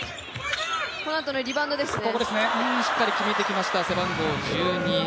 このあとのリバウンドですね。